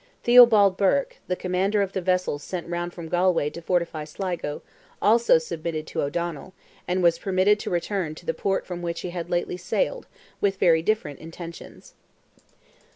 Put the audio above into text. Theobald Burke, the commander of the vessels sent round from Galway to fortify Sligo, also submitted to O'Donnell, and was permitted to return to the port from which he had lately sailed, with very different intentions.